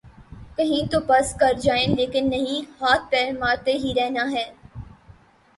کہیں تو بس کر جائیں لیکن نہیں ‘ ہاتھ پیر مارتے ہی رہنا ہے۔